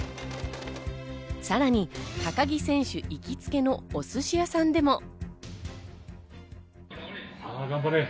さらに高木選手行きつけのお寿司屋さんでも。